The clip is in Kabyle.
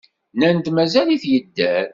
Nnan-d mazal-it yedder.